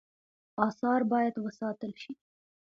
آثار باید وساتل شي